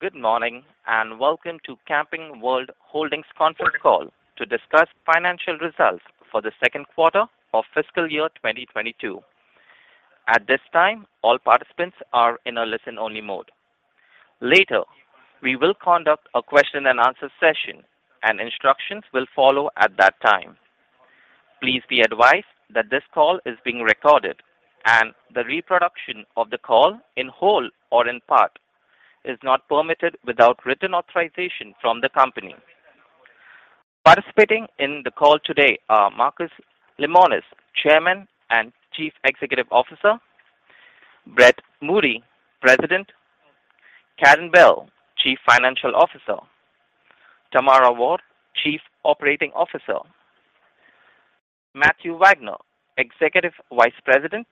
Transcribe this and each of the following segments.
Good morning, and welcome to Camping World Holdings Conference Call to discuss financial results for the second quarter of fiscal year 2022. At this time, all participants are in a listen-only mode. Later, we will conduct a question-and-answer session, and instructions will follow at that time. Please be advised that this call is being recorded, and the reproduction of the call in whole or in part is not permitted without written authorization from the company. Participating in the call today are Marcus Lemonis, Chairman and Chief Executive Officer, Brent Moody, President, Karin Bell, Chief Financial Officer, Tamara Ward, Chief Operating Officer, Matthew Wagner, Executive Vice President,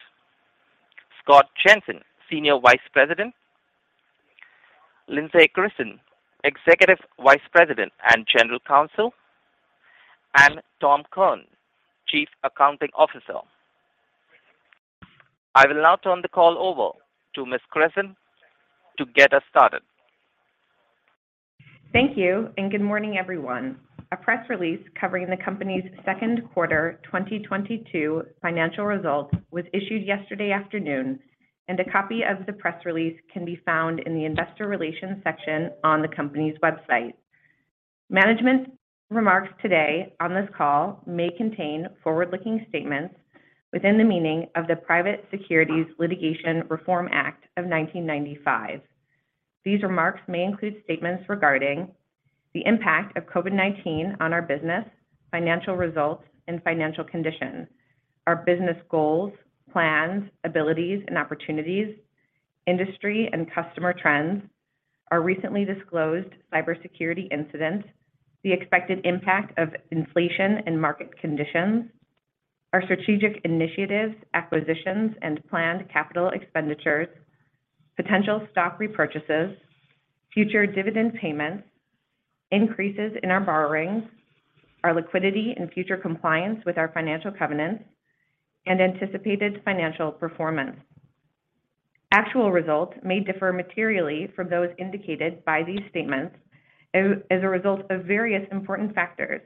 Scott Jensen, Senior Vice President, Lindsey Christen, Executive Vice President and General Counsel, and Tom Kirn, Chief Accounting Officer. I will now turn the call over to Ms. Christen to get us started. Thank you and good morning, everyone. A press release covering the company's second quarter 2022 financial results was issued yesterday afternoon, and a copy of the press release can be found in the Investor Relations section on the company's website. Management's remarks today on this call may contain forward-looking statements within the meaning of the Private Securities Litigation Reform Act of 1995. These remarks may include statements regarding the impact of COVID-19 on our business, financial results, and financial conditions, our business goals, plans, abilities, and opportunities, industry and customer trends, our recently disclosed cybersecurity incidents, the expected impact of inflation and market conditions, our strategic initiatives, acquisitions, and planned capital expenditures, potential stock repurchases, future dividend payments, increases in our borrowings, our liquidity and future compliance with our financial covenants, and anticipated financial performance. Actual results may differ materially from those indicated by these statements as a result of various important factors,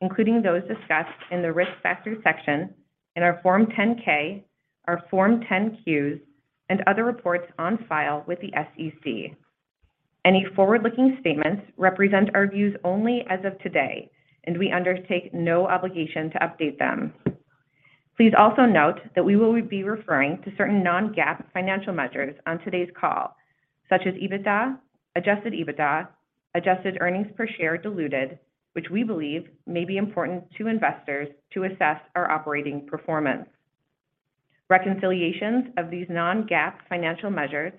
including those discussed in the Risk Factors section in our Form 10-K, our Form 10-Qs, and other reports on file with the SEC. Any forward-looking statements represent our views only as of today, and we undertake no obligation to update them. Please also note that we will be referring to certain non-GAAP financial measures on today's call, such as EBITDA, Adjusted EBITDA, adjusted earnings per share diluted, which we believe may be important to investors to assess our operating performance. Reconciliations of these non-GAAP financial measures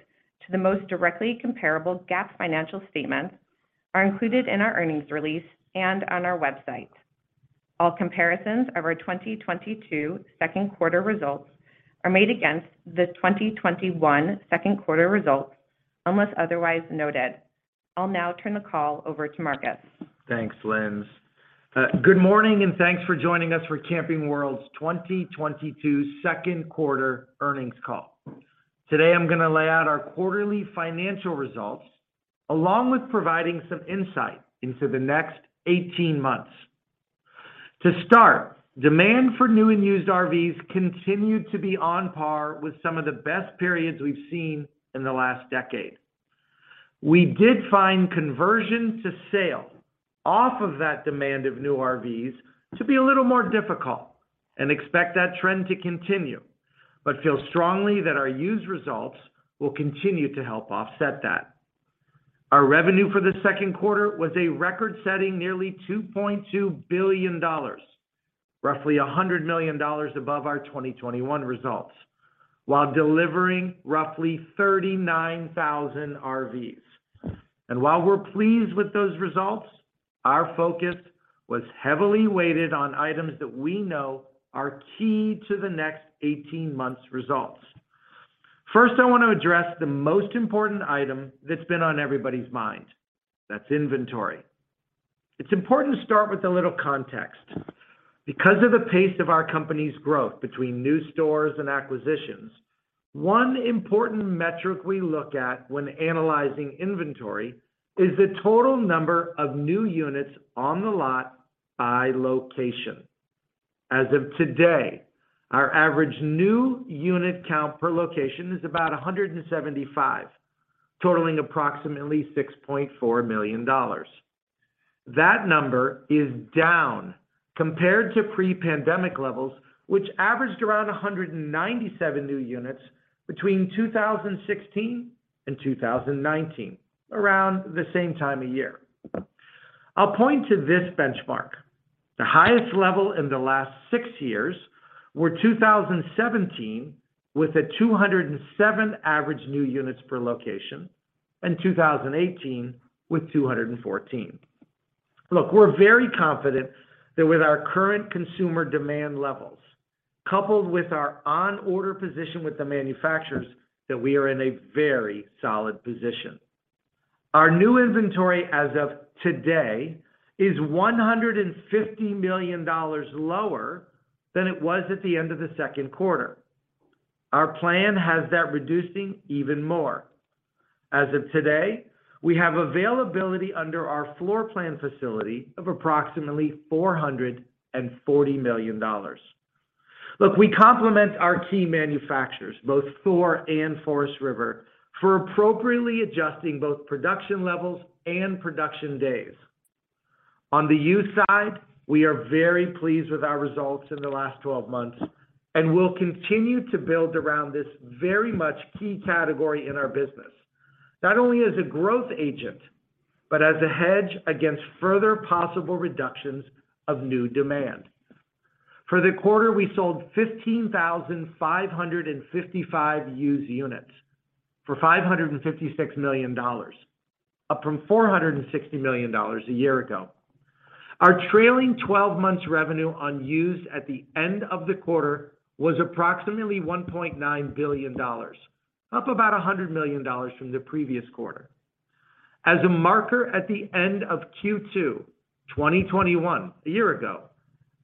to the most directly comparable GAAP financial statements are included in our earnings release and on our website. All comparisons of our 2022 second quarter results are made against the 2021 second quarter results, unless otherwise noted. I'll now turn the call over to Marcus. Thanks, Linds. Good morning and thanks for joining us for Camping World's 2022 second quarter earnings call. Today, I'm gonna lay out our quarterly financial results along with providing some insight into the next 18 months. To start, demand for new and used RVs continued to be on par with some of the best periods we've seen in the last decade. We did find conversion to sale off of that demand of new RVs to be a little more difficult and expect that trend to continue, but feel strongly that our used results will continue to help offset that. Our revenue for the second quarter was a record-setting nearly $2.2 billion, roughly $100 million above our 2021 results, while delivering roughly 39,000 RVs. While we're pleased with those results, our focus was heavily weighted on items that we know are key to the next 18 months' results. First, I wanna address the most important item that's been on everybody's mind. That's inventory. It's important to start with a little context. Because of the pace of our company's growth between new stores and acquisitions, one important metric we look at when analyzing inventory is the total number of new units on the lot by location. As of today, our average new unit count per location is about 175, totaling approximately $6.4 million. That number is down compared to pre-pandemic levels, which averaged around 197 new units between 2016 and 2019, around the same time of year. I'll point to this benchmark. The highest level in the last six years were 2017 with a 207 average new units per location and 2018 with 214. Look, we're very confident that with our current consumer demand levels, coupled with our on-order position with the manufacturers, that we are in a very solid position. Our new inventory as of today is $150 million lower than it was at the end of the second quarter. Our plan has that reducing even more. As of today, we have availability under our floor plan facility of approximately $440 million. Look, we compliment our key manufacturers, both Thor and Forest River, for appropriately adjusting both production levels and production days. On the used side, we are very pleased with our results in the last 12 months and we'll continue to build around this very much key category in our business, not only as a growth agent, but as a hedge against further possible reductions of new demand. For the quarter, we sold 15,555 used units for $556 million, up from $460 million a year ago. Our trailing 12-months revenue on used at the end of the quarter was approximately $1.9 billion, up about $100 million from the previous quarter. As a marker at the end of Q2 2021, a year ago,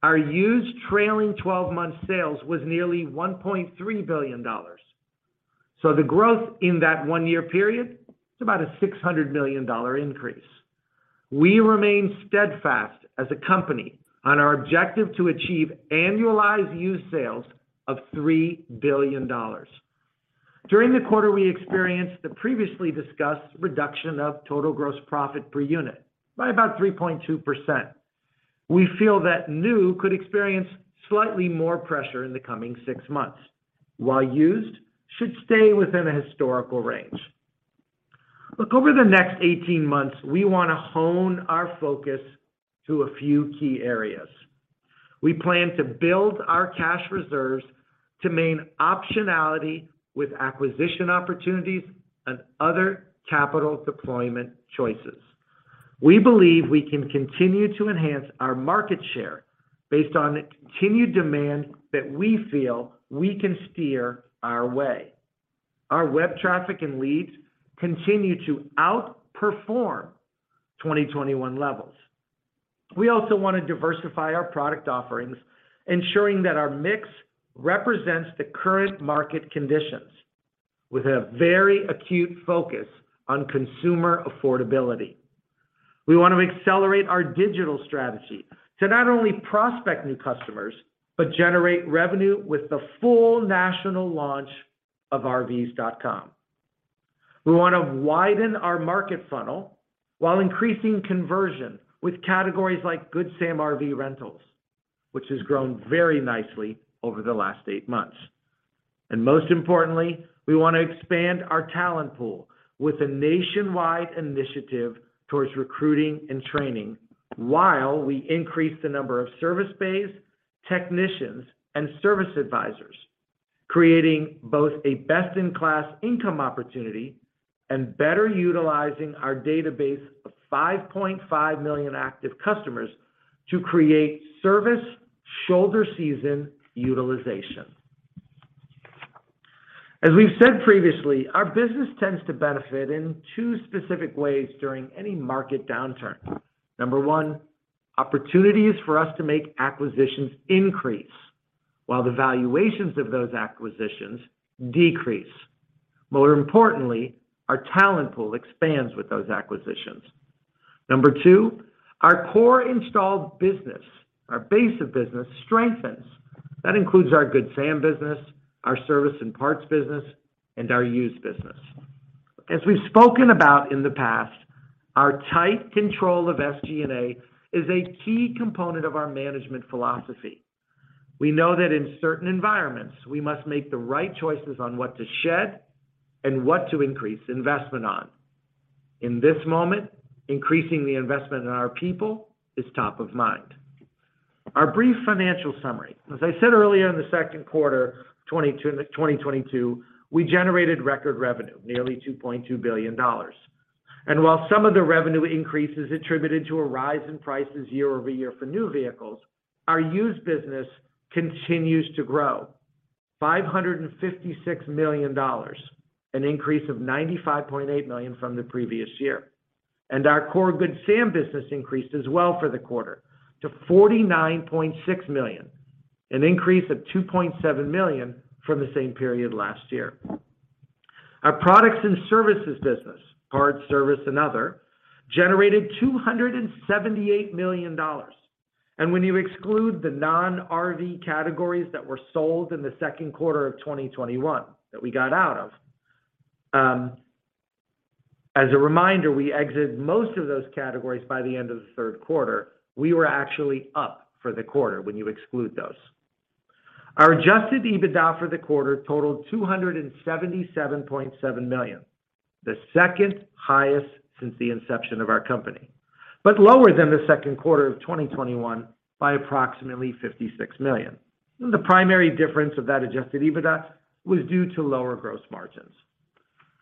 our used trailing 12-months sales was nearly $1.3 billion. The growth in that one-year period is about a $600 million increase. We remain steadfast as a company on our objective to achieve annualized used sales of $3 billion. During the quarter, we experienced the previously discussed reduction of total gross profit per unit by about 3.2%. We feel that new could experience slightly more pressure in the coming six months, while used should stay within a historical range. Look, over the next 18 months, we want to hone our focus to a few key areas. We plan to build our cash reserves to maintain optionality with acquisition opportunities and other capital deployment choices. We believe we can continue to enhance our market share based on the continued demand that we feel we can steer our way. Our web traffic and leads continue to outperform 2021 levels. We also want to diversify our product offerings, ensuring that our mix represents the current market conditions with a very acute focus on consumer affordability. We want to accelerate our digital strategy to not only prospect new customers, but generate revenue with the full national launch of RVs.com. We want to widen our market funnel while increasing conversion with categories like Good Sam RV Rentals, which has grown very nicely over the last eight months. Most importantly, we want to expand our talent pool with a nationwide initiative towards recruiting and training while we increase the number of service bays, technicians, and service advisors, creating both a best-in-class income opportunity and better utilizing our database of 5.5 million active customers to create service shoulder season utilization. As we've said previously, our business tends to benefit in two specific ways during any market downturn. Number one, opportunities for us to make acquisitions increase while the valuations of those acquisitions decrease. More importantly, our talent pool expands with those acquisitions. Number two, our core installed business, our base of business strengthens. That includes our Good Sam business, our service and parts business, and our used business. As we've spoken about in the past, our tight control of SG&A is a key component of our management philosophy. We know that in certain environments, we must make the right choices on what to shed and what to increase investment on. In this moment, increasing the investment in our people is top of mind. Our brief financial summary. As I said earlier in the second quarter, 2022, we generated record revenue, nearly $2.2 billion. While some of the revenue increase is attributed to a rise in prices year-over-year for new vehicles, our used business continues to grow. $556 million, an increase of $95.8 million from the previous year. Our core Good Sam business increased as well for the quarter to $49.6 million, an increase of $2.7 million from the same period last year. Our products and services business, parts, service, and other, generated $278 million. When you exclude the non-RV categories that were sold in the second quarter of 2021 that we got out of. As a reminder, we exited most of those categories by the end of the third quarter. We were actually up for the quarter when you exclude those. Our Adjusted EBITDA for the quarter totaled $277.7 million, the second highest since the inception of our company, but lower than the second quarter of 2021 by approximately $56 million. The primary difference of that Adjusted EBITDA was due to lower gross margins.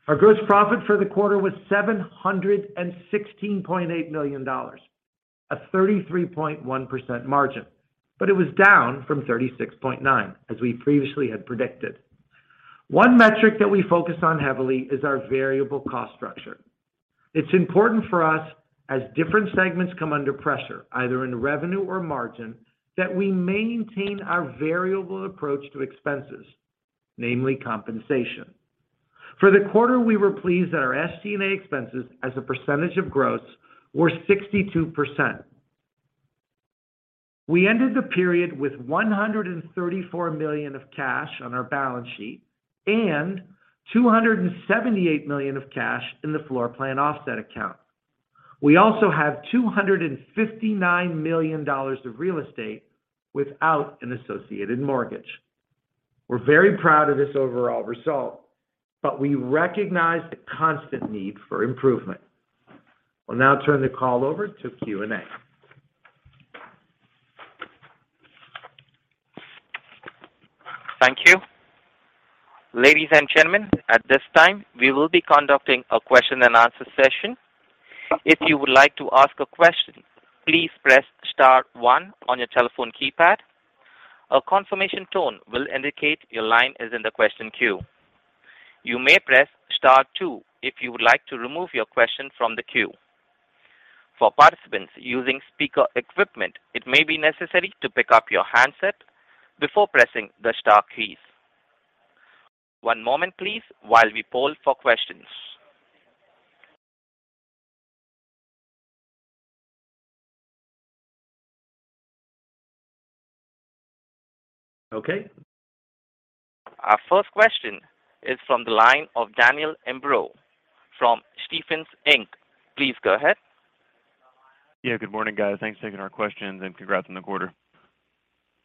Our gross profit for the quarter was $716.8 million, a 33.1% margin, but it was down from 36.9%, as we previously had predicted. One metric that we focus on heavily is our variable cost structure. It's important for us as different segments come under pressure, either in revenue or margin, that we maintain our variable approach to expenses, namely compensation. For the quarter, we were pleased that our SG&A expenses as a percentage of gross were 62%. We ended the period with $134 million of cash on our balance sheet and $278 million of cash in the floor plan offset account. We also have $259 million of real estate without an associated mortgage. We're very proud of this overall result, but we recognize the constant need for improvement. I'll now turn the call over to Q&A. Thank you. Ladies and gentlemen, at this time, we will be conducting a question-and-answer session. If you would like to ask a question, please press star one on your telephone keypad. A confirmation tone will indicate your line is in the question queue. You may press star two if you would like to remove your question from the queue. For participants using speaker equipment, it may be necessary to pick up your handset before pressing the star keys. One moment, please, while we poll for questions. Okay. Our first question is from the line of Daniel Imbro from Stephens Inc. Please go ahead. Yeah, good morning, guys. Thanks for taking our questions, and congrats on the quarter.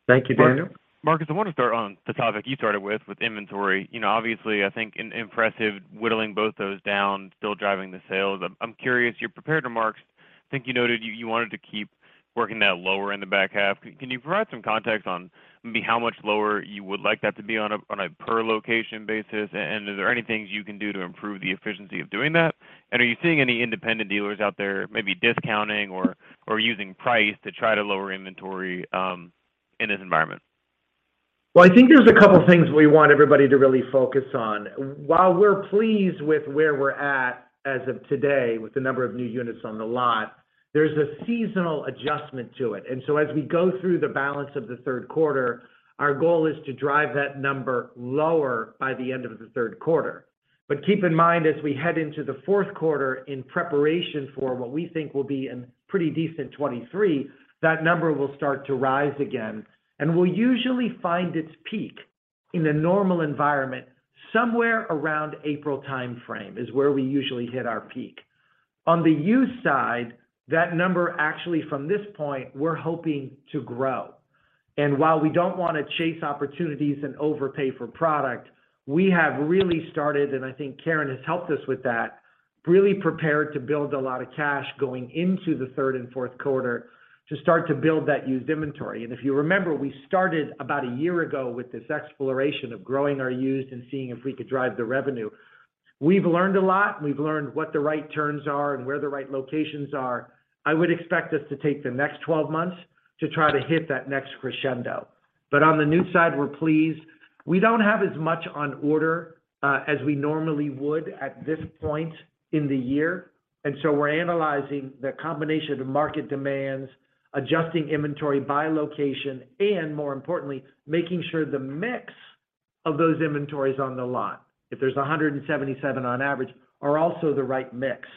Thank you, Daniel. Marcus, I want to start on the topic you started with inventory. You know, obviously, I think an impressive whittling both those down, still driving the sales. I'm curious, your prepared remarks. I think you noted you wanted to keep working that lower in the back half. Can you provide some context on maybe how much lower you would like that to be on a per location basis? And is there any things you can do to improve the efficiency of doing that? And are you seeing any independent dealers out there maybe discounting or using price to try to lower inventory in this environment? Well, I think there's a couple of things we want everybody to really focus on. While we're pleased with where we're at as of today with the number of new units on the lot, there's a seasonal adjustment to it. As we go through the balance of the third quarter, our goal is to drive that number lower by the end of the third quarter. Keep in mind, as we head into the fourth quarter in preparation for what we think will be a pretty decent 2023, that number will start to rise again. We'll usually find its peak in a normal environment, somewhere around April timeframe is where we usually hit our peak. On the used side, that number actually from this point, we're hoping to grow. While we don't want to chase opportunities and overpay for product, we have really started, and I think Karin has helped us with that, really prepared to build a lot of cash going into the third and fourth quarter to start to build that used inventory. If you remember, we started about a year ago with this exploration of growing our used and seeing if we could drive the revenue. We've learned a lot. We've learned what the right turns are and where the right locations are. I would expect us to take the next 12 months to try to hit that next crescendo. On the new side, we're pleased. We don't have as much on order, as we normally would at this point in the year. We're analyzing the combination of market demands, adjusting inventory by location, and more importantly, making sure the mix of those inventories on the lot, if there's 177 on average, are also the right mix.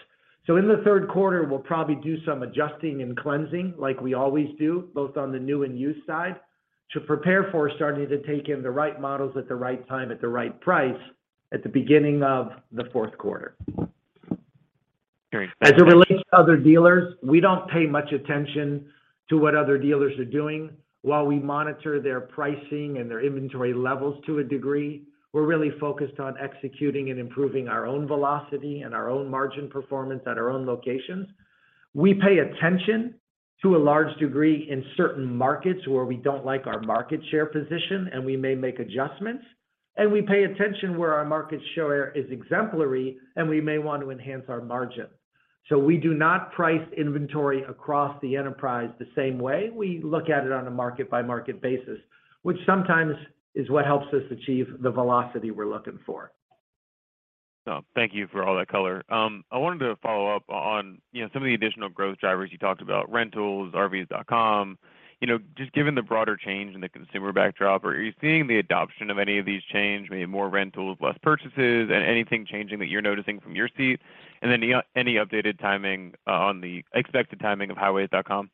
In the third quarter, we'll probably do some adjusting and cleansing like we always do, both on the new and used side, to prepare for starting to take in the right models at the right time at the right price at the beginning of the fourth quarter. Very helpful. As it relates to other dealers, we don't pay much attention to what other dealers are doing. While we monitor their pricing and their inventory levels to a degree, we're really focused on executing and improving our own velocity and our own margin performance at our own locations. We pay attention to a large degree in certain markets where we don't like our market share position and we may make adjustments. We pay attention where our market share is exemplary, and we may want to enhance our margin. We do not price inventory across the enterprise the same way. We look at it on a market by market basis, which sometimes is what helps us achieve the velocity we're looking for. Thank you for all that color. I wanted to follow up on, you know, some of the additional growth drivers you talked about rentals, RVs.com. You know, just given the broader change in the consumer backdrop, are you seeing the adoption of any of these changes, maybe more rentals, less purchases, anything changing that you're noticing from your seat? Any updated timing on the expected timing of Highways.com?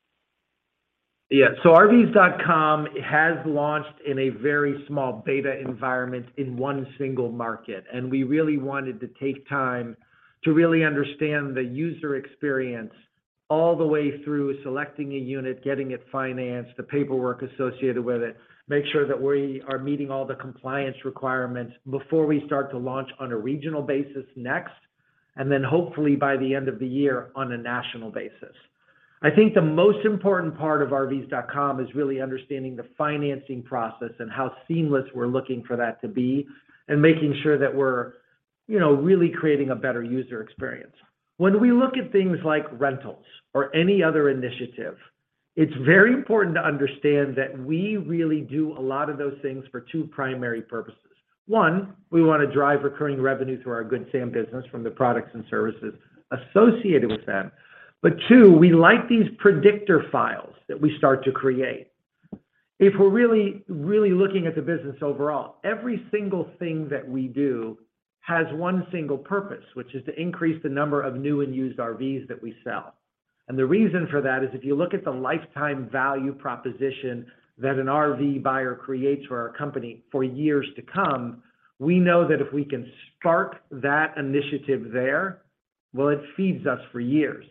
Yeah. RVs.com has launched in a very small beta environment in one single market. We really wanted to take time to really understand the user experience all the way through selecting a unit, getting it financed, the paperwork associated with it, make sure that we are meeting all the compliance requirements before we start to launch on a regional basis next, and then hopefully by the end of the year on a national basis. I think the most important part of RVs.com is really understanding the financing process and how seamless we're looking for that to be and making sure that we're, you know, really creating a better user experience. When we look at things like rentals or any other initiative. It's very important to understand that we really do a lot of those things for two primary purposes. One, we wanna drive recurring revenue through our Good Sam business from the products and services associated with that. Two, we like these predictor files that we start to create. If we're really, really looking at the business overall, every single thing that we do has one single purpose, which is to increase the number of new and used RVs that we sell. The reason for that is if you look at the lifetime value proposition that an RV buyer creates for our company for years to come, we know that if we can start that initiative there, well, it feeds us for years.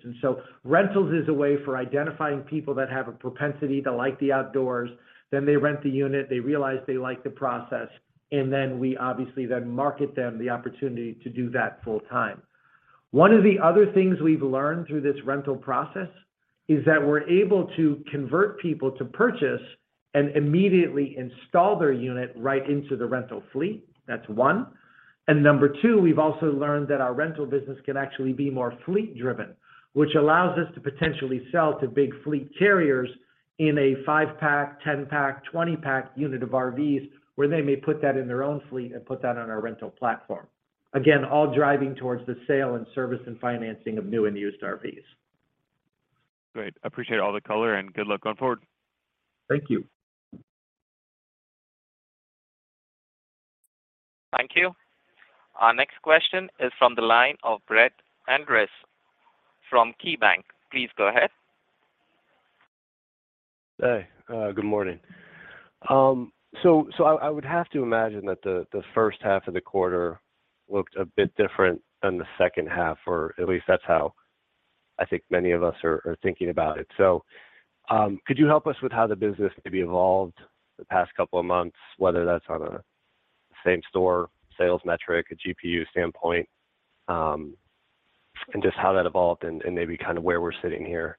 Rentals is a way for identifying people that have a propensity to like the outdoors, then they rent the unit, they realize they like the process, and then we obviously then market them the opportunity to do that full-time. One of the other things we've learned through this rental process is that we're able to convert people to purchase and immediately install their unit right into the rental fleet. That's one. Number two, we've also learned that our rental business can actually be more fleet-driven, which allows us to potentially sell to big fleet carriers in a five-pack, 10-pack, 20-pack unit of RVs, where they may put that in their own fleet and put that on our rental platform. Again, all driving towards the sale and service and financing of new and used RVs. Great. Appreciate all the color and good luck going forward. Thank you. Thank you. Our next question is from the line of Brett Andress from KeyBanc. Please go ahead. Hey, good morning. I would have to imagine that the first half of the quarter looked a bit different than the second half, or at least that's how I think many of us are thinking about it. Could you help us with how the business maybe evolved the past couple of months, whether that's on a same store sales metric, a GPU standpoint, and just how that evolved and maybe kind of where we're sitting here?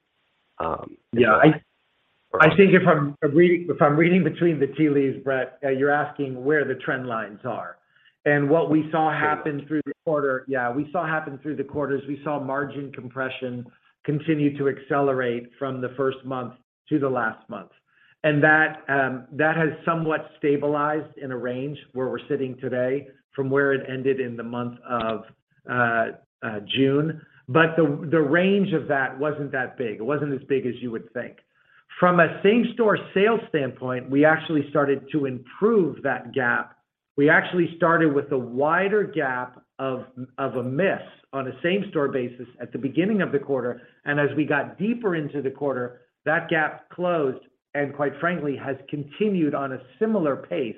Yeah. Or- I think if I'm reading between the tea leaves, Brett, you're asking where the trend lines are. We saw margin compression continue to accelerate from the first month to the last month. That has somewhat stabilized in a range where we're sitting today from where it ended in the month of June. The range of that wasn't that big. It wasn't as big as you would think. From a same store sales standpoint, we actually started to improve that gap. We actually started with a wider gap of a miss on a same store basis at the beginning of the quarter, and as we got deeper into the quarter, that gap closed, and quite frankly, has continued on a similar pace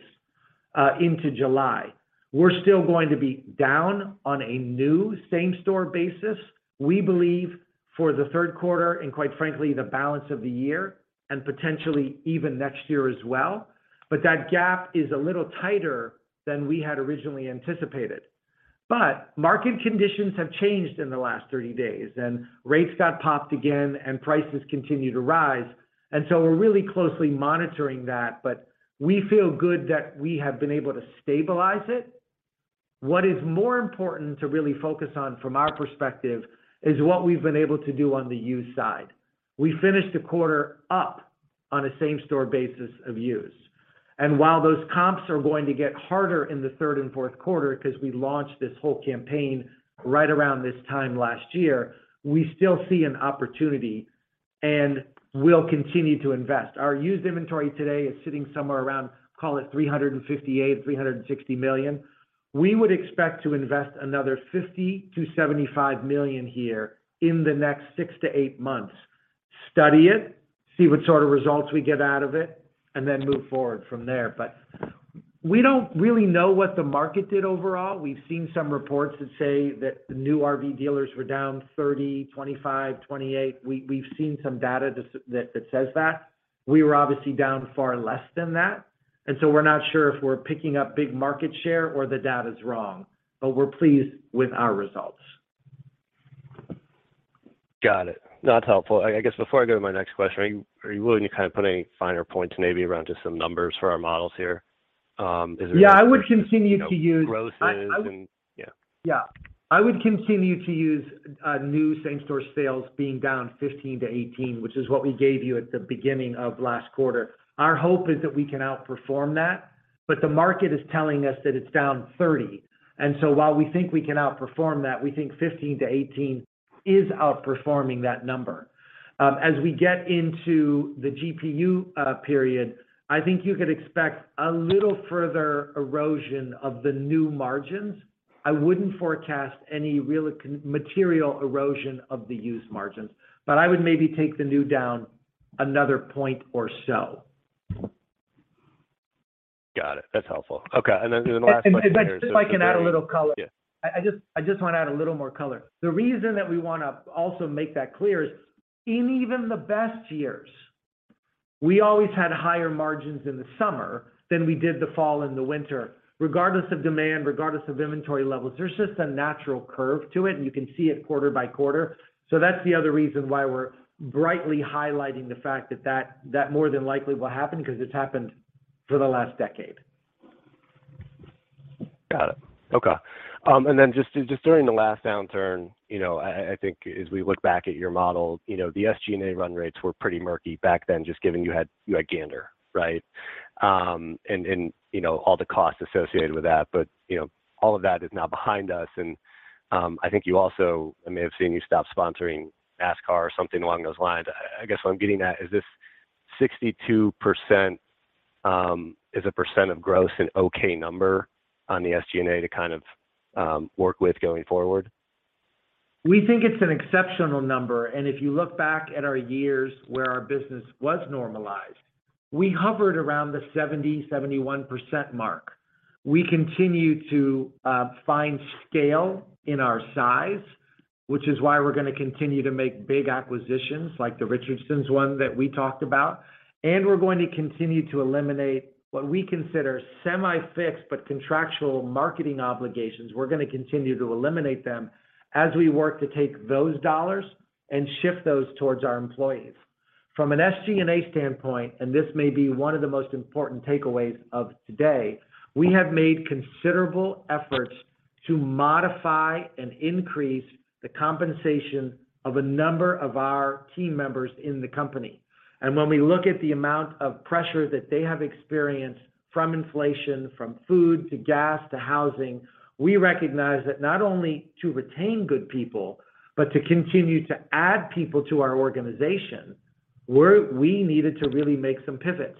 into July. We're still going to be down on a new same store basis, we believe for the third quarter and quite frankly, the balance of the year, and potentially even next year as well. That gap is a little tighter than we had originally anticipated. Market conditions have changed in the last 30 days, and rates got popped again, and prices continue to rise. We're really closely monitoring that, but we feel good that we have been able to stabilize it. What is more important to really focus on from our perspective is what we've been able to do on the used side. We finished the quarter up on a same store basis of used. While those comps are going to get harder in the third and fourth quarter, 'cause we launched this whole campaign right around this time last year, we still see an opportunity, and we'll continue to invest. Our used inventory today is sitting somewhere around, call it $358 million-$360 million. We would expect to invest another $50 million-$75 million here in the next six to eight months, study it, see what sort of results we get out of it, and then move forward from there. We don't really know what the market did overall. We've seen some reports that say that the new RV dealers were down 30%, 25%, 28%. We've seen some data that says that. We were obviously down far less than that. We're not sure if we're picking up big market share or the data's wrong, but we're pleased with our results. Got it. No, that's helpful. I guess before I go to my next question, are you willing to kind of put any finer points maybe around just some numbers for our models here? Is there- Yeah, I would continue to use. You know, grosses and yeah. Yeah. I would continue to use new same store sales being down 15%-18%, which is what we gave you at the beginning of last quarter. Our hope is that we can outperform that, but the market is telling us that it's down 30%. While we think we can outperform that, we think 15%-18% is outperforming that number. As we get into the GPU period, I think you could expect a little further erosion of the new margins. I wouldn't forecast any real material erosion of the used margins, but I would maybe take the new down another point or so. Got it. That's helpful. Okay. Last question here is. If I can add a little color. Yeah. I just wanna add a little more color. The reason that we wanna also make that clear is in even the best years, we always had higher margins in the summer than we did the fall and the winter, regardless of demand, regardless of inventory levels. There's just a natural curve to it, and you can see it quarter-by-quarter. That's the other reason why we're brightly highlighting the fact that more than likely will happen, because it's happened for the last decade. Got it. Okay. And then just during the last downturn, you know, I think as we look back at your model, you know, the SG&A run rates were pretty murky back then, just given you had Gander, right? And you know, all the costs associated with that. You know, all of that is now behind us, and I think you also I may have seen you stop sponsoring NASCAR or something along those lines. I guess what I'm getting at, is this 62% as a percent of gross an okay number on the SG&A to kind of work with going forward? We think it's an exceptional number, and if you look back at our years where our business was normalized, we hovered around the 70%-71% mark. We continue to find scale in our size, which is why we're gonna continue to make big acquisitions like the Richardson's one that we talked about. We're going to continue to eliminate what we consider semi-fixed, but contractual marketing obligations. We're gonna continue to eliminate them as we work to take those dollars and shift those towards our employees. From an SG&A standpoint, and this may be one of the most important takeaways of today, we have made considerable efforts to modify and increase the compensation of a number of our team members in the company. When we look at the amount of pressure that they have experienced from inflation, from food to gas to housing, we recognize that not only to retain good people, but to continue to add people to our organization, we needed to really make some pivots,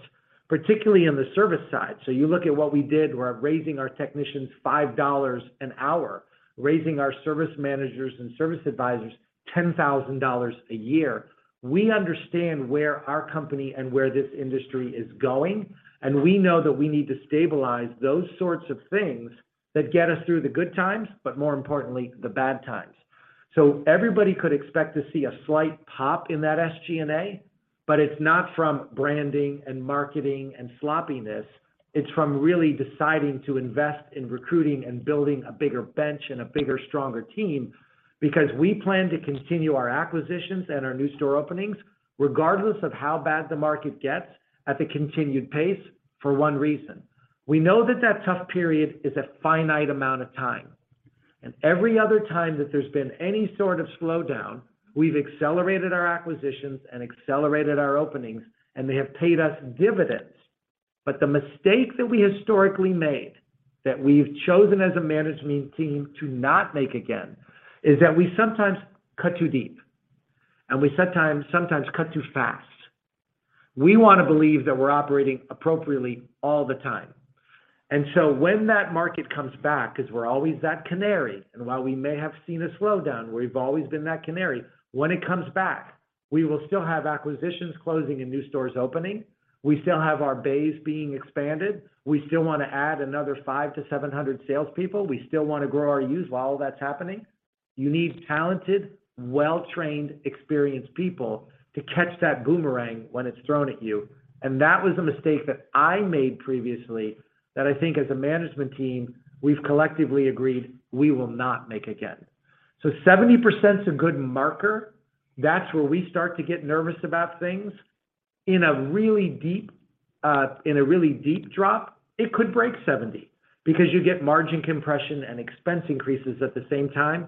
particularly in the service side. You look at what we did, we're raising our technicians $5 an hour, raising our service managers and service advisors $10,000 a year. We understand where our company and where this industry is going, and we know that we need to stabilize those sorts of things that get us through the good times, but more importantly, the bad times. Everybody could expect to see a slight pop in that SG&A, but it's not from branding and marketing and sloppiness. It's from really deciding to invest in recruiting and building a bigger bench and a bigger, stronger team because we plan to continue our acquisitions and our new store openings regardless of how bad the market gets at the continued pace for one reason. We know that that tough period is a finite amount of time. Every other time that there's been any sort of slowdown, we've accelerated our acquisitions and accelerated our openings, and they have paid us dividends. The mistake that we historically made, that we've chosen as a management team to not make again, is that we sometimes cut too deep, and we sometimes cut too fast. We wanna believe that we're operating appropriately all the time. When that market comes back, 'cause we're always that canary, and while we may have seen a slowdown, we've always been that canary. When it comes back, we will still have acquisitions closing and new stores opening. We still have our bays being expanded. We still wanna add another 500-700 salespeople. We still wanna grow our used while all that's happening. You need talented, well-trained, experienced people to catch that boomerang when it's thrown at you. That was a mistake that I made previously that I think as a management team, we've collectively agreed we will not make again. 70%'s a good marker. That's where we start to get nervous about things. In a really deep, in a really deep drop, it could break 70% because you get margin compression and expense increases at the same time,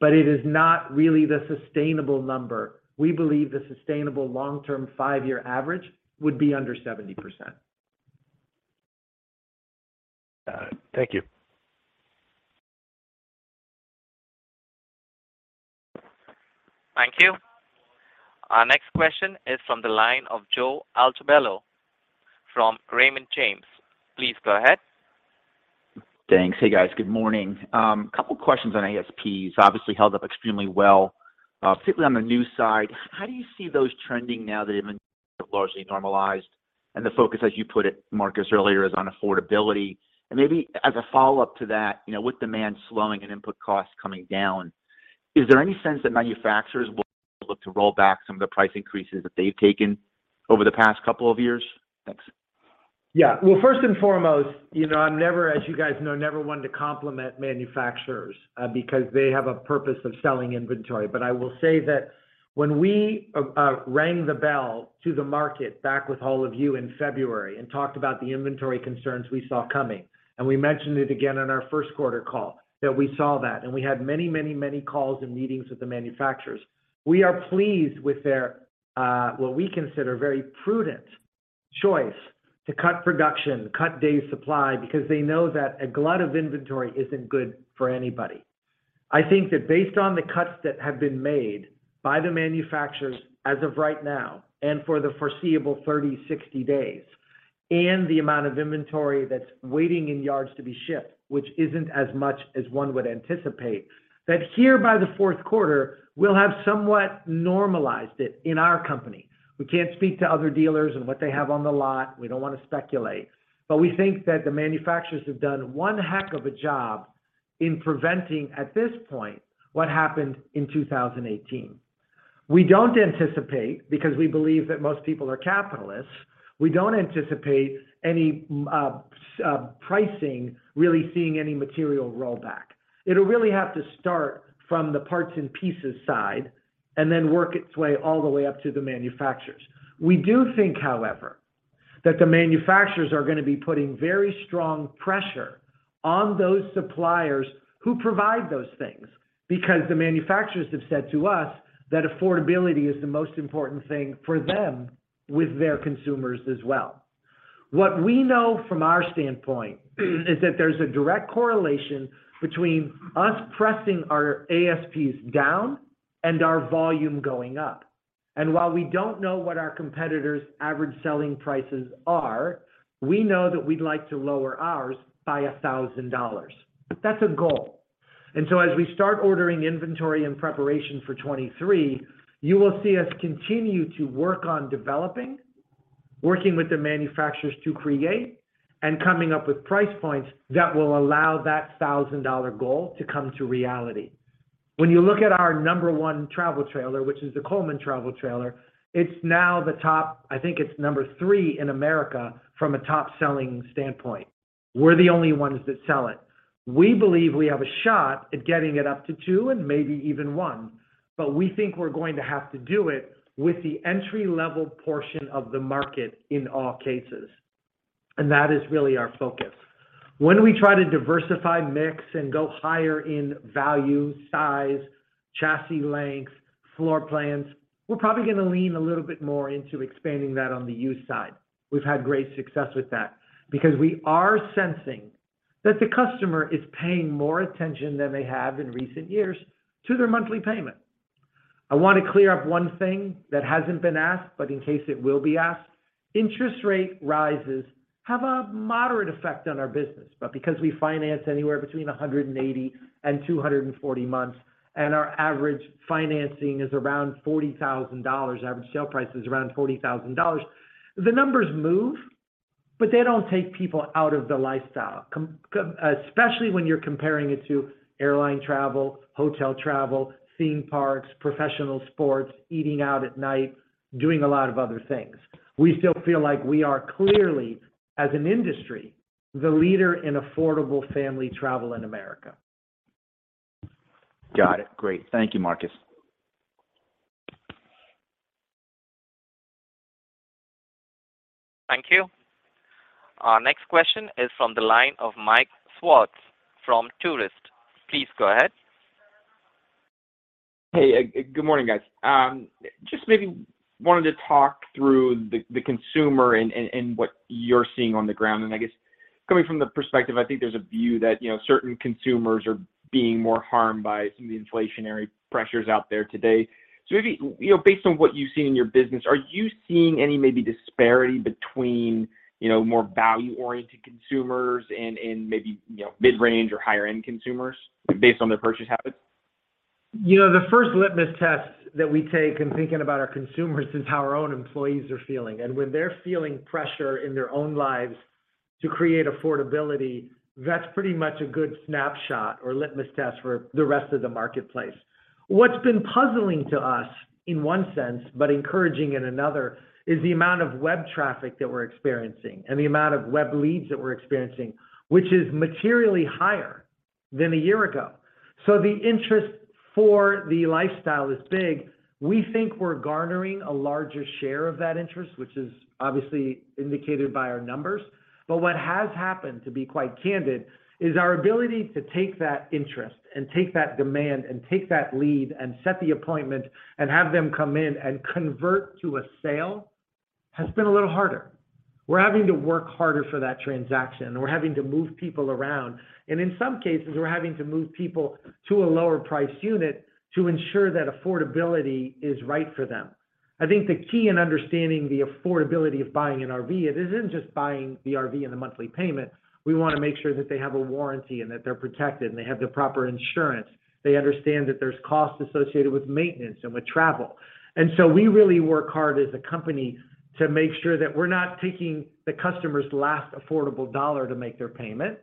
but it is not really the sustainable number. We believe the sustainable long-term five-year average would be under 70%. Got it. Thank you. Thank you. Our next question is from the line of Joe Altobello from Raymond James. Please go ahead. Thanks. Hey, guys. Good morning. Couple questions on ASPs, obviously held up extremely well, particularly on the new side. How do you see those trending now that have been largely normalized and the focus, as you put it, Marcus, earlier, is on affordability? Maybe as a follow-up to that, you know, with demand slowing and input costs coming down, is there any sense that manufacturers will look to roll back some of the price increases that they've taken over the past couple of years? Thanks. Yeah. Well, first and foremost, you know, I'm never, as you guys know, never one to compliment manufacturers, because they have a purpose of selling inventory. But I will say that when we rang the bell to the market back with all of you in February and talked about the inventory concerns we saw coming, and we mentioned it again on our first quarter call that we saw that, and we had many, many, many calls and meetings with the manufacturers. We are pleased with their what we consider very prudent choice to cut production, cut days supply because they know that a glut of inventory isn't good for anybody. I think that based on the cuts that have been made by the manufacturers as of right now and for the foreseeable 30, 60 days, and the amount of inventory that's waiting in yards to be shipped, which isn't as much as one would anticipate, that here by the fourth quarter, we'll have somewhat normalized it in our company. We can't speak to other dealers and what they have on the lot. We don't wanna speculate. We think that the manufacturers have done one heck of a job in preventing, at this point, what happened in 2018. We don't anticipate because we believe that most people are capitalists, we don't anticipate any, pricing really seeing any material rollback. It'll really have to start from the parts and pieces side and then work its way all the way up to the manufacturers. We do think, however, that the manufacturers are going to be putting very strong pressure on those suppliers who provide those things, because the manufacturers have said to us that affordability is the most important thing for them with their consumers as well. What we know from our standpoint is that there's a direct correlation between us pressing our ASPs down and our volume going up. While we don't know what our competitors' average selling prices are, we know that we'd like to lower ours by $1,000. That's a goal. As we start ordering inventory in preparation for 2023, you will see us continue to work on developing, working with the manufacturers to create, and coming up with price points that will allow that $1,000 goal to come to reality. When you look at our number one travel trailer, which is the Coleman travel trailer, it's now the top. I think it's number three in America from a top-selling standpoint. We're the only ones that sell it. We believe we have a shot at getting it up to two and maybe even one. We think we're going to have to do it with the entry-level portion of the market in all cases. That is really our focus. When we try to diversify mix and go higher in value, size, chassis lengths, floor plans, we're probably going to lean a little bit more into expanding that on the used side. We've had great success with that because we are sensing that the customer is paying more attention than they have in recent years to their monthly payment. I want to clear up one thing that hasn't been asked, but in case it will be asked. Interest rate rises have a moderate effect on our business. Because we finance anywhere between 180 and 240 months, and our average financing is around $40,000, average sale price is around $40,000, the numbers move, but they don't take people out of the lifestyle, especially when you're comparing it to airline travel, hotel travel, theme parks, professional sports, eating out at night, doing a lot of other things. We still feel like we are clearly, as an industry, the leader in affordable family travel in America. Got it. Great. Thank you, Marcus. Thank you. Our next question is from the line of Mike Swartz from Truist. Please go ahead. Hey, good morning, guys. Just maybe wanted to talk through the consumer and what you're seeing on the ground. I guess coming from the perspective, I think there's a view that, you know, certain consumers are being more harmed by some of the inflationary pressures out there today. Maybe, you know, based on what you've seen in your business, are you seeing any maybe disparity between, you know, more value-oriented consumers and maybe, you know, mid-range or higher-end consumers based on their purchase habits? You know, the first litmus test that we take in thinking about our consumers is how our own employees are feeling. When they're feeling pressure in their own lives to create affordability, that's pretty much a good snapshot or litmus test for the rest of the marketplace. What's been puzzling to us in one sense, but encouraging in another, is the amount of web traffic that we're experiencing and the amount of web leads that we're experiencing, which is materially higher than a year ago. The interest for the lifestyle is big. We think we're garnering a larger share of that interest, which is obviously indicated by our numbers. What has happened, to be quite candid, is our ability to take that interest and take that demand and take that lead and set the appointment and have them come in and convert to a sale has been a little harder. We're having to work harder for that transaction. We're having to move people around. In some cases, we're having to move people to a lower priced unit to ensure that affordability is right for them. I think the key in understanding the affordability of buying an RV, it isn't just buying the RV and the monthly payment. We want to make sure that they have a warranty and that they're protected and they have the proper insurance. They understand that there's costs associated with maintenance and with travel. We really work hard as a company to make sure that we're not taking the customer's last affordable dollar to make their payment.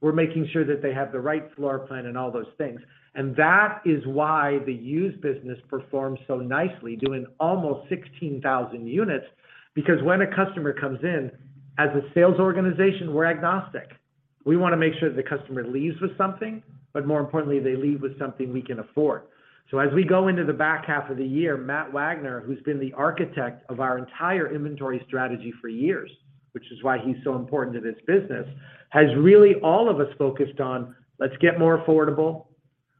We're making sure that they have the right floor plan and all those things. That is why the used business performs so nicely, doing almost 16,000 units. Because when a customer comes in, as a sales organization, we're agnostic. We want to make sure the customer leaves with something, but more importantly, they leave with something we can afford. As we go into the back half of the year, Matt Wagner, who's been the architect of our entire inventory strategy for years, which is why he's so important to this business, has really all of us focused on, let's get more affordable.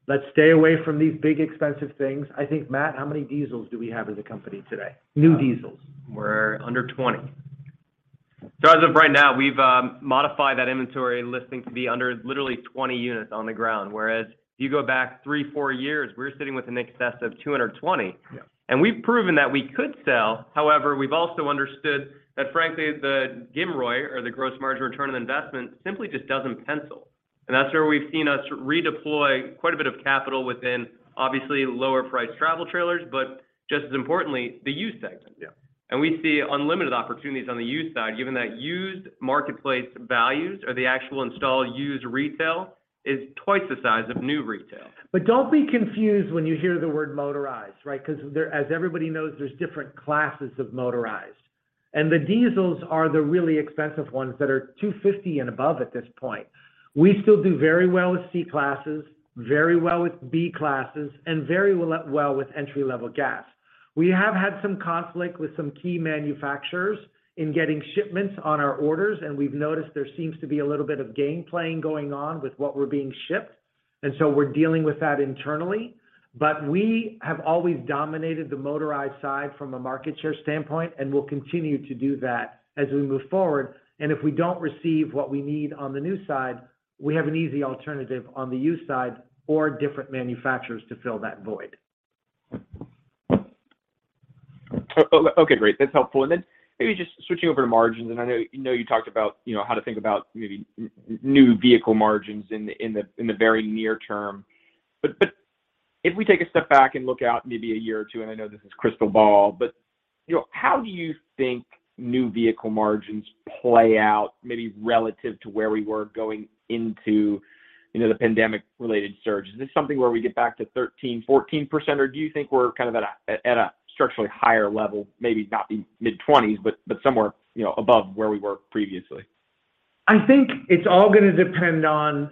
Let's stay away from these big, expensive things. I think, Matt, how many diesels do we have as a company today? New diesels. We're under 20. As of right now, we've modified that inventory listing to be under literally 20 units on the ground. Whereas if you go back three, four years, we were sitting with an excess of 220. Yeah. We've proven that we could sell. However, we've also understood that frankly, the GMROI or the gross margin return on investment simply just doesn't pencil. That's where we've seen us redeploy quite a bit of capital within obviously, lower priced travel trailers, but just as importantly, the used segment. Yeah. We see unlimited opportunities on the used side, given that used marketplace values or the actual installed used retail is twice the size of new retail. Don't be confused when you hear the word motorized, right? Because as everybody knows, there's different classes of motorized. The diesels are the really expensive ones that are $250 and above at this point. We still do very well with C classes, very well with B classes, and very well with entry-level gas. We have had some conflict with some key manufacturers in getting shipments on our orders, and we've noticed there seems to be a little bit of game playing going on with what we're being shipped, and so we're dealing with that internally. We have always dominated the motorized side from a market share standpoint, and we'll continue to do that as we move forward. If we don't receive what we need on the new side, we have an easy alternative on the used side or different manufacturers to fill that void. Okay, great. That's helpful. Then maybe just switching over to margins, and I know you talked about, you know, how to think about maybe new vehicle margins in the very near term. If we take a step back and look out maybe a year or two, and I know this is crystal ball, but, you know, how do you think new vehicle margins play out maybe relative to where we were going into, you know, the pandemic-related surge? Is this something where we get back to 13%, 14%, or do you think we're kind of at a structurally higher level, maybe not the mid-20%, but somewhere, you know, above where we were previously? I think it's all gonna depend on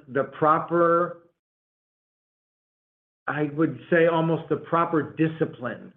I would say almost the proper discipline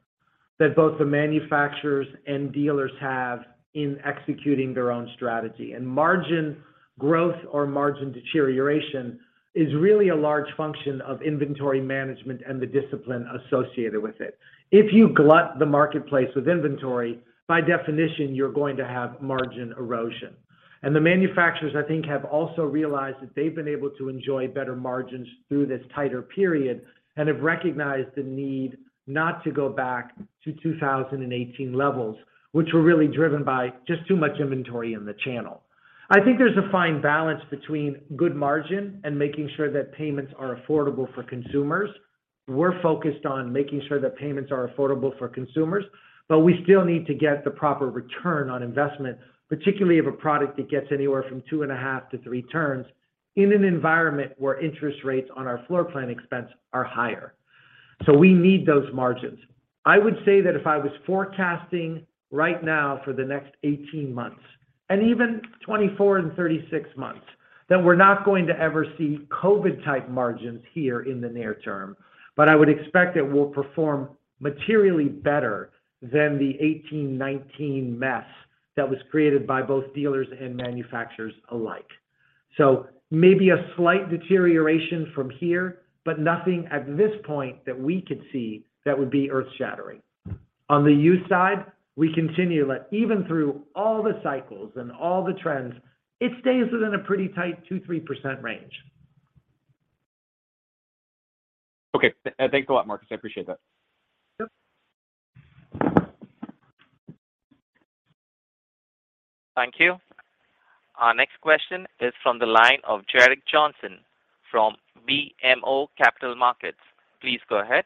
that both the manufacturers and dealers have in executing their own strategy. Margin growth or margin deterioration is really a large function of inventory management and the discipline associated with it. If you glut the marketplace with inventory, by definition, you're going to have margin erosion. The manufacturers, I think, have also realized that they've been able to enjoy better margins through this tighter period and have recognized the need not to go back to 2018 levels, which were really driven by just too much inventory in the channel. I think there's a fine balance between good margin and making sure that payments are affordable for consumers. We're focused on making sure that payments are affordable for consumers, but we still need to get the proper return on investment, particularly of a product that gets anywhere from 2.5-three turns in an environment where interest rates on our floor plan expense are higher. We need those margins. I would say that if I was forecasting right now for the next 18 months, and even 24 and 36 months, then we're not going to ever see COVID-type margins here in the near term. I would expect it will perform materially better than the 2018-2019 mess that was created by both dealers and manufacturers alike. Maybe a slight deterioration from here, but nothing at this point that we could see that would be earth-shattering. On the used side, we continue, like even through all the cycles and all the trends, it stays within a pretty tight 2%-3% range. Okay. Thanks a lot, Marcus. I appreciate that. Sure. Thank you. Our next question is from the line of Gerrick Johnson from BMO Capital Markets. Please go ahead.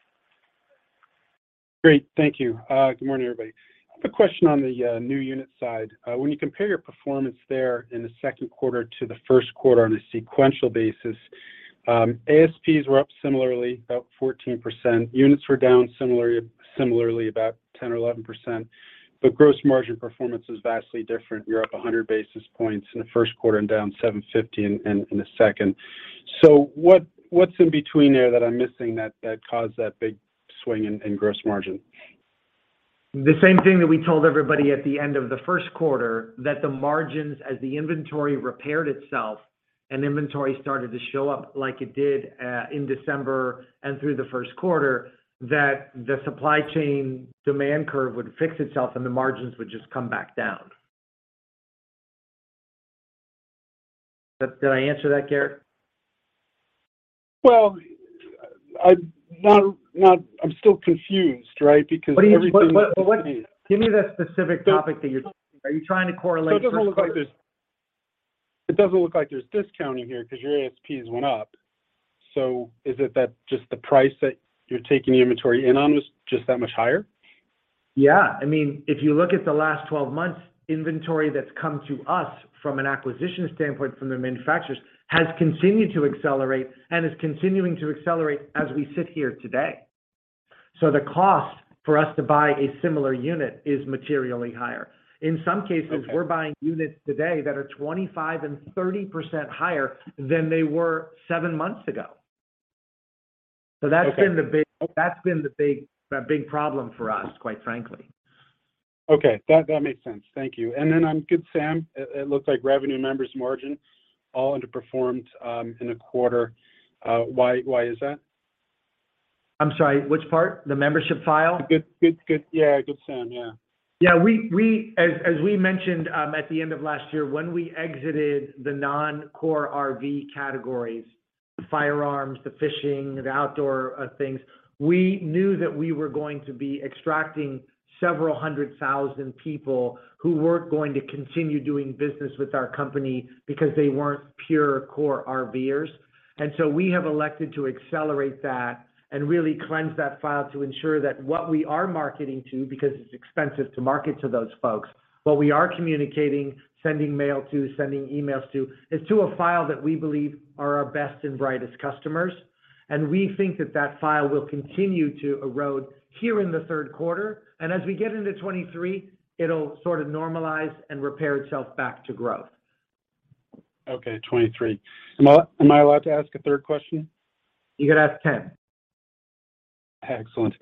Great. Thank you. Good morning, everybody. I have a question on the new unit side. When you compare your performance there in the second quarter to the first quarter on a sequential basis, ASPs were up similarly, about 14%. Units were down similarly about 10% or 11%. Gross margin performance is vastly different. You are up 100 basis points in the first quarter and down 750 in the second. What is in between there that I am missing that caused that big swing in gross margin? The same thing that we told everybody at the end of the first quarter, that the margins as the inventory repaired itself and inventory started to show up like it did in December and through the first quarter, that the supply chain demand curve would fix itself, and the margins would just come back down. Did I answer that, Gerrick? Well, I'm not. I'm still confused, right? Because everything. Give me the specific topic that you're. Are you trying to correlate first quarter- It doesn't look like there's discounting here because your ASPs went up. Is it that just the price that you're taking the inventory in on was just that much higher? Yeah. I mean, if you look at the last 12 months, inventory that's come to us from an acquisition standpoint from the manufacturers has continued to accelerate and is continuing to accelerate as we sit here today. The cost for us to buy a similar unit is materially higher. In some cases. Okay We're buying units today that are 25%-30% higher than they were seven months ago. Okay. That's been the big problem for us, quite frankly. Okay. That makes sense. Thank you. On Good Sam, it looks like revenue, membership margin all underperformed in the quarter. Why is that? I'm sorry, which part? The membership file? Good, yeah. Good Sam. Yeah. Yeah. We as we mentioned at the end of last year, when we exited the non-core RV categories, the firearms, the fishing, the outdoor things, we knew that we were going to be extracting several hundred thousand people who weren't going to continue doing business with our company because they weren't pure core RVers. We have elected to accelerate that and really cleanse that file to ensure that what we are marketing to, because it's expensive to market to those folks, what we are communicating, sending mail to, sending emails to, is to a file that we believe are our best and brightest customers. We think that file will continue to erode here in the third quarter. As we get into 2023, it'll sort of normalize and repair itself back to growth. Okay, 2023. Am I allowed to ask a third question? You can ask 10. Excellent.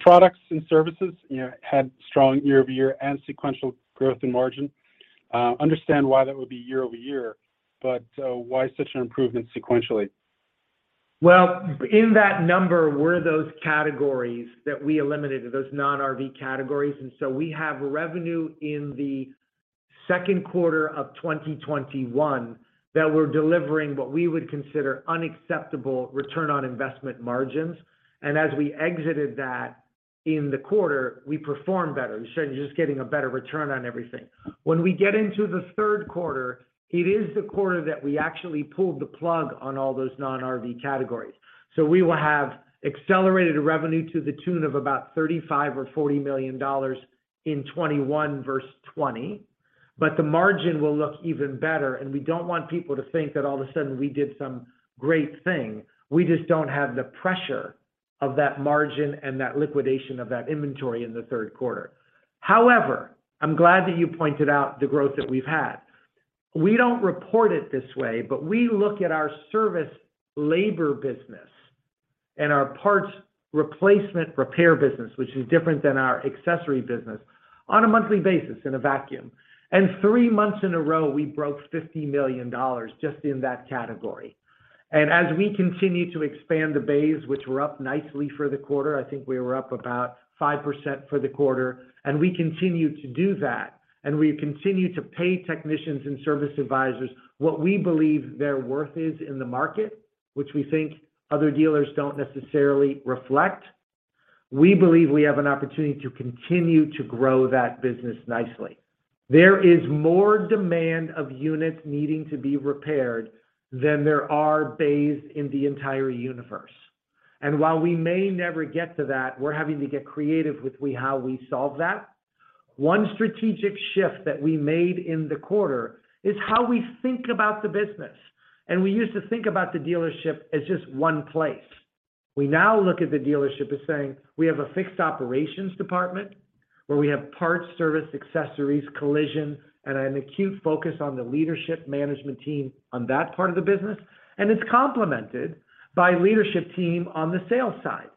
Products and services, you know, had strong year-over-year and sequential growth in margin. Understand why that would be year-over-year, but why such an improvement sequentially? Well, in that number were those categories that we eliminated, those non-RV categories. We have revenue in the second quarter of 2021 that we're delivering what we would consider unacceptable return on investment margins. As we exited that in the quarter, we performed better. We started just getting a better return on everything. When we get into the third quarter, it is the quarter that we actually pulled the plug on all those non-RV categories. We will have accelerated revenue to the tune of about $35 million or $40 million in 2021 versus 2020. The margin will look even better, and we don't want people to think that all of a sudden we did some great thing. We just don't have the pressure of that margin and that liquidation of that inventory in the third quarter. However, I'm glad that you pointed out the growth that we've had. We don't report it this way, but we look at our service labor business and our parts replacement repair business, which is different than our accessory business, on a monthly basis in a vacuum. Three months in a row, we broke $50 million just in that category. As we continue to expand the bays, which were up nicely for the quarter, I think we were up about 5% for the quarter. We continue to do that. We continue to pay technicians and service advisors what we believe their worth is in the market, which we think other dealers don't necessarily reflect. We believe we have an opportunity to continue to grow that business nicely. There is more demand of units needing to be repaired than there are bays in the entire universe. While we may never get to that, we're having to get creative with how we solve that. One strategic shift that we made in the quarter is how we think about the business. We used to think about the dealership as just one place. We now look at the dealership as saying we have a fixed operations department, where we have parts, service, accessories, collision, and an acute focus on the leadership management team on that part of the business. It's complemented by leadership team on the sales side.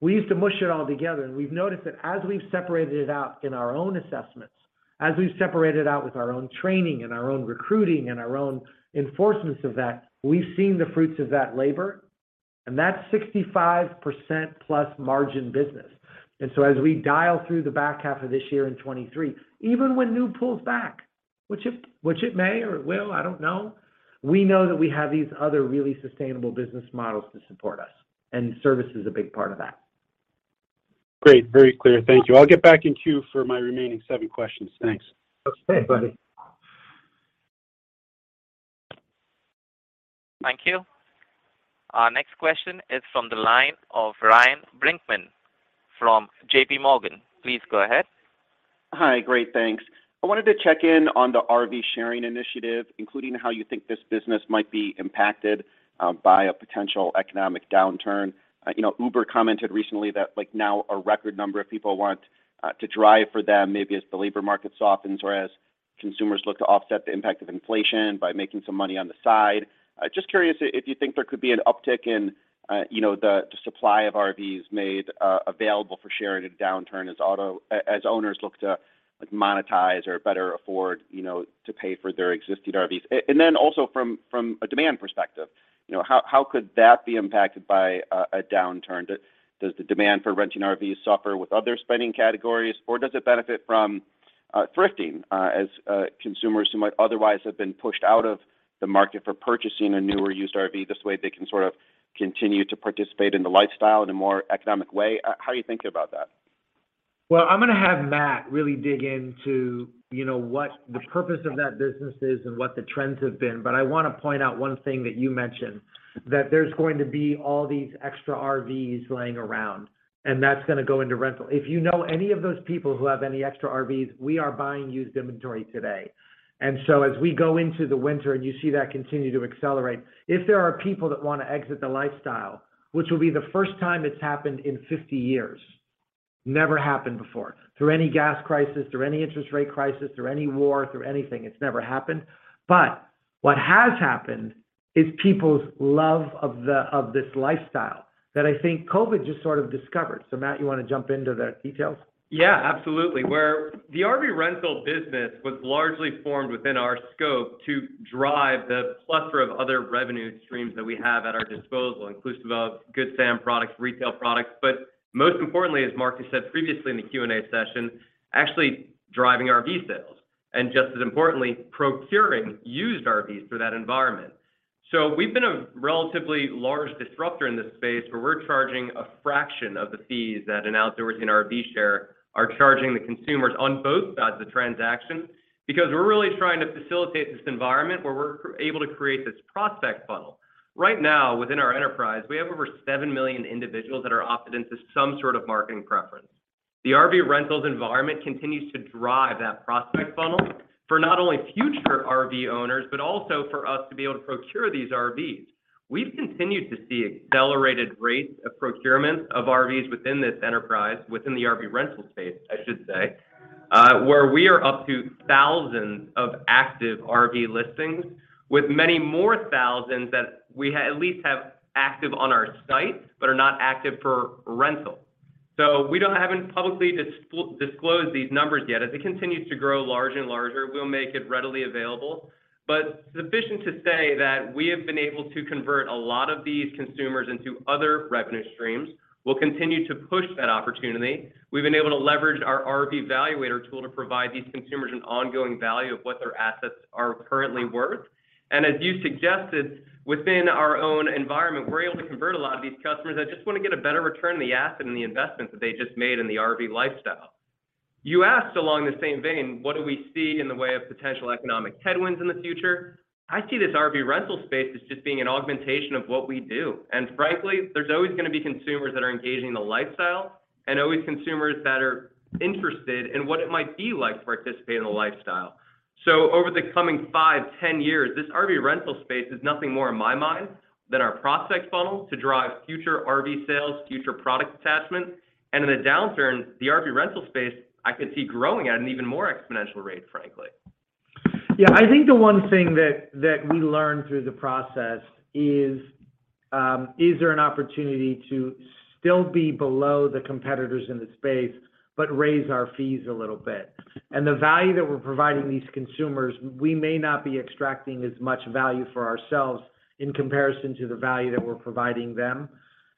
We used to mush it all together, and we've noticed that as we've separated it out in our own assessments, as we've separated out with our own training and our own recruiting and our own enforcements of that, we've seen the fruits of that labor. That's 65%+ margin business. As we dial through the back half of this year in 2023, even when new pulls back, which it may or it will, I don't know, we know that we have these other really sustainable business models to support us, and service is a big part of that. Great. Very clear. Thank you. I'll get back in queue for my remaining seven questions. Thanks. Okay, buddy. Thank you. Our next question is from the line of Ryan Brinkman from JPMorgan. Please go ahead. Hi. Great. Thanks. I wanted to check in on the RV sharing initiative, including how you think this business might be impacted by a potential economic downturn. You know, Uber commented recently that, like, now a record number of people want to drive for them, maybe as the labor market softens or as consumers look to offset the impact of inflation by making some money on the side. Just curious if you think there could be an uptick in, you know, the supply of RVs made available for sharing in a downturn as owners look to, like, monetize or better afford, you know, to pay for their existing RVs. Also from a demand perspective, you know, how could that be impacted by a downturn? Does the demand for renting RVs suffer with other spending categories, or does it benefit from thrifting, as consumers who might otherwise have been pushed out of the market for purchasing a new or used RV? This way, they can sort of continue to participate in the lifestyle in a more economic way. How are you thinking about that? Well, I'm gonna have Matt really dig into, you know, what the purpose of that business is and what the trends have been. I wanna point out one thing that you mentioned, that there's going to be all these extra RVs laying around, and that's gonna go into rental. If you know any of those people who have any extra RVs, we are buying used inventory today. As we go into the winter and you see that continue to accelerate, if there are people that wanna exit the lifestyle, which will be the first time it's happened in 50 years. Never happened before. Through any gas crisis, through any interest rate crisis, through any war, through anything, it's never happened. What has happened is people's love of this lifestyle that I think COVID just sort of discovered. Matt, you wanna jump into the details? Yeah, absolutely. Where the RV rental business was largely formed within our scope to drive the plethora of other revenue streams that we have at our disposal, inclusive of Good Sam products, retail products, but most importantly, as Mark has said previously in the Q&A session, actually driving RV sales, and just as importantly, procuring used RVs through that environment. We've been a relatively large disruptor in this space, where we're charging a fraction of the fees that an Outdoorsy and RVshare are charging the consumers on both sides of the transaction. Because we're really trying to facilitate this environment where we're able to create this prospect funnel. Right now, within our enterprise, we have over 7 million individuals that are opted into some sort of marketing preference. The RV rentals environment continues to drive that prospect funnel for not only future RV owners, but also for us to be able to procure these RVs. We've continued to see accelerated rates of procurement of RVs within this enterprise, within the RV rental space, I should say, where we are up to thousands of active RV listings with many more thousands that we at least have active on our site, but are not active for rental. We haven't publicly disclosed these numbers yet. As it continues to grow larger and larger, we'll make it readily available. Sufficient to say that we have been able to convert a lot of these consumers into other revenue streams. We'll continue to push that opportunity. We've been able to leverage our RV evaluator tool to provide these consumers an ongoing value of what their assets are currently worth. As you suggested, within our own environment, we're able to convert a lot of these customers that just wanna get a better return on the asset and the investment that they just made in the RV lifestyle. You asked along the same vein, what do we see in the way of potential economic headwinds in the future? I see this RV rental space as just being an augmentation of what we do. Frankly, there's always gonna be consumers that are engaging the lifestyle and always consumers that are interested in what it might be like to participate in a lifestyle. Over the coming five, 10 years, this RV rental space is nothing more in my mind than our prospect funnel to drive future RV sales, future product attachments. In a downturn, the RV rental space I could see growing at an even more exponential rate, frankly. Yeah. I think the one thing that we learned through the process is there an opportunity to still be below the competitors in the space, but raise our fees a little bit. The value that we're providing these consumers, we may not be extracting as much value for ourselves in comparison to the value that we're providing them.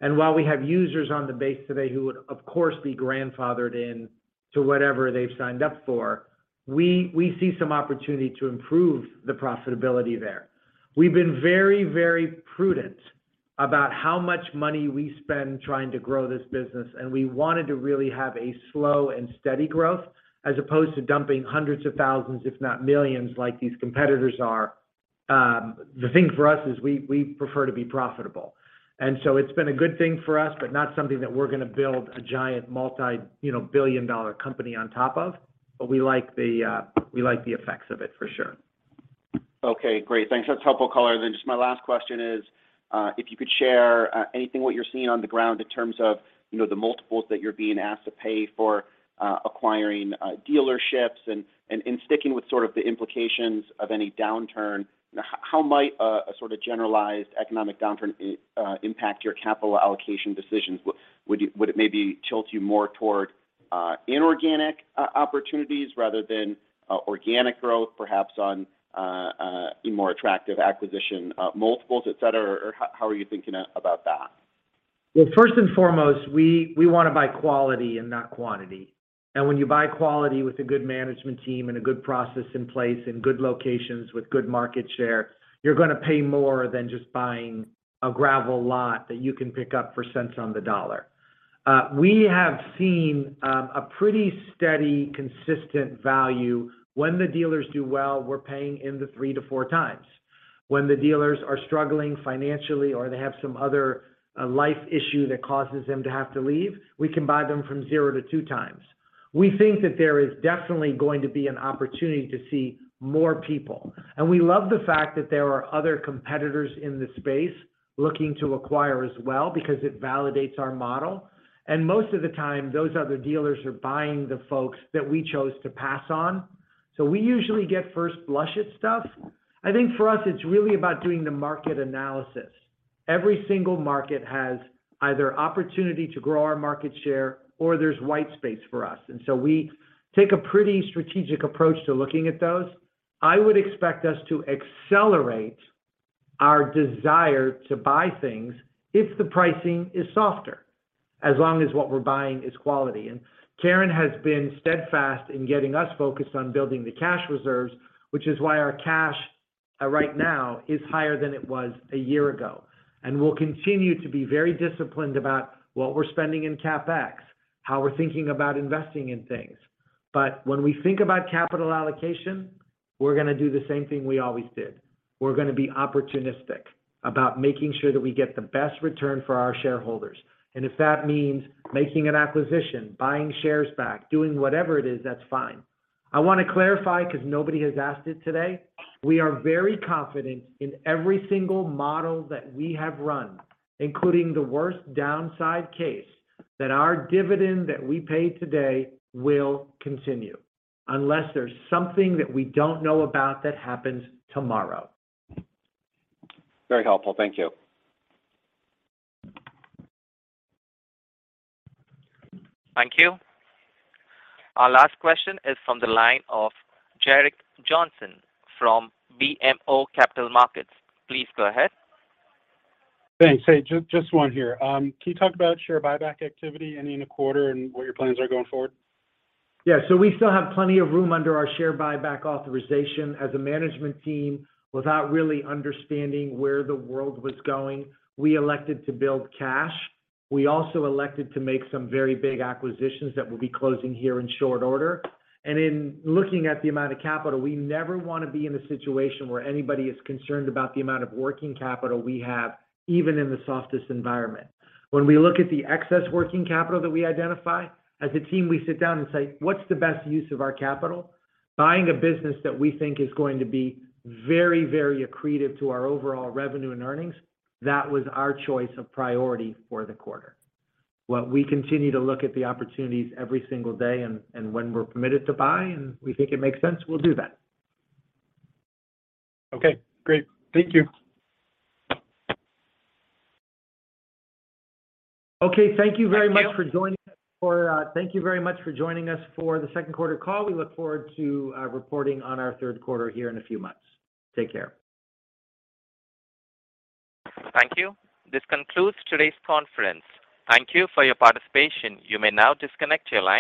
While we have users on the base today who would, of course, be grandfathered in to whatever they've signed up for, we see some opportunity to improve the profitability there. We've been very, very prudent about how much money we spend trying to grow this business, and we wanted to really have a slow and steady growth as opposed to dumping hundreds of thousands, if not millions, like these competitors are. The thing for us is we prefer to be profitable. It's been a good thing for us, but not something that we're gonna build a giant multi, you know, billion-dollar company on top of. We like the effects of it for sure. Okay, great. Thanks. That's helpful color. Just my last question is, if you could share anything what you're seeing on the ground in terms of, you know, the multiples that you're being asked to pay for acquiring dealerships and in sticking with sort of the implications of any downturn, how might a sort of generalized economic downturn impact your capital allocation decisions? Would it maybe tilt you more toward inorganic opportunities rather than organic growth, perhaps on a more attractive acquisition multiples, et cetera? Or how are you thinking about that? Well, first and foremost, we wanna buy quality and not quantity. When you buy quality with a good management team and a good process in place, in good locations with good market share, you're gonna pay more than just buying a gravel lot that you can pick up for cents on the dollar. We have seen a pretty steady, consistent value. When the dealers do well, we're paying in the 3x-4x. When the dealers are struggling financially or they have some other life issue that causes them to have to leave, we can buy them from 0x-2x. We think that there is definitely going to be an opportunity to see more people. We love the fact that there are other competitors in the space looking to acquire as well because it validates our model. Most of the time, those other dealers are buying the folks that we chose to pass on. We usually get first blush at stuff. I think for us, it's really about doing the market analysis. Every single market has either opportunity to grow our market share or there's white space for us. We take a pretty strategic approach to looking at those. I would expect us to accelerate our desire to buy things if the pricing is softer, as long as what we're buying is quality. Karin has been steadfast in getting us focused on building the cash reserves, which is why our cash right now is higher than it was a year ago. We'll continue to be very disciplined about what we're spending in CapEx, how we're thinking about investing in things. When we think about capital allocation, we're gonna do the same thing we always did. We're gonna be opportunistic about making sure that we get the best return for our shareholders. If that means making an acquisition, buying shares back, doing whatever it is, that's fine. I wanna clarify because nobody has asked it today. We are very confident in every single model that we have run, including the worst downside case, that our dividend that we pay today will continue unless there's something that we don't know about that happens tomorrow. Very helpful. Thank you. Thank you. Our last question is from the line of Gerrick Johnson from BMO Capital Markets. Please go ahead. Thanks. Hey, just one here. Can you talk about share buyback activity, any in the quarter and what your plans are going forward? Yeah. We still have plenty of room under our share buyback authorization. As a management team, without really understanding where the world was going, we elected to build cash. We also elected to make some very big acquisitions that will be closing here in short order. In looking at the amount of capital, we never wanna be in a situation where anybody is concerned about the amount of working capital we have, even in the softest environment. When we look at the excess working capital that we identify, as a team, we sit down and say, "What's the best use of our capital?" Buying a business that we think is going to be very, very accretive to our overall revenue and earnings, that was our choice of priority for the quarter. What we continue to look at the opportunities every single day and when we're permitted to buy and we think it makes sense, we'll do that. Okay, great. Thank you. Okay. Thank you very much for joining us for the second quarter call. We look forward to reporting on our third quarter here in a few months. Take care. Thank you. This concludes today's conference. Thank you for your participation. You may now disconnect your line.